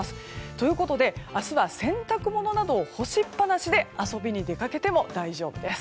ということで明日は洗濯物などを干しっぱなしで遊びに出かけても大丈夫です。